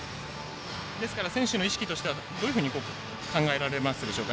選手の意識としてはどういうふうに考えられますでしょうか。